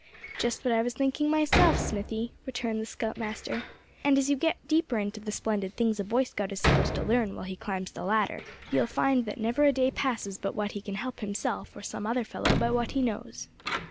"Just what I was thinking myself, Smithy," returned the scout master. "And as you get deeper into the splendid things a Boy Scout is supposed to learn, while he climbs the ladder, you'll find that never a day passes but what he can help himself, or some other fellow, by what he knows."